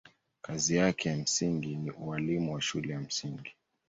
Kazi yake ya msingi ni ualimu wa shule ya msingi.